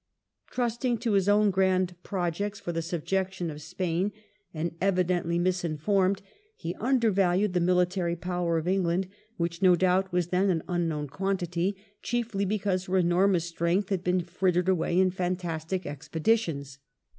Trusting to his own grand projects for the subjection of Spain, and evidently misinformed, he undervalued the military power of England, which, no doubt, was then an unknown quantity, chiefly because her enormous strength had been frittered away in fantastic expeditions.